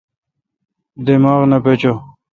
دماغ نہ پچو۔